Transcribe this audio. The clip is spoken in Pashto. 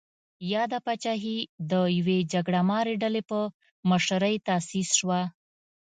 یاده پاچاهي د یوې جګړه مارې ډلې په مشرۍ تاسیس شوه.